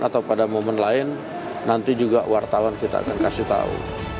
atau pada momen lain nanti juga wartawan kita akan kasih tahu